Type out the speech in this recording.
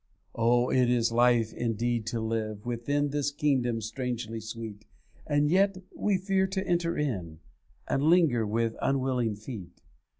'Oh! it is life indeed to live Within this kingdom strangely sweet, And yet we fear to enter in, And linger with unwilling feet.